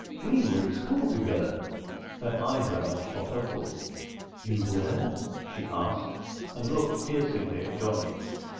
We were at school together." Her eyebrows shot upward. "You were?" she asked, and looked piercingly at Johnny.